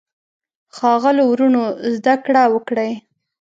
ښاغلو وروڼو زده کړه وکړئ.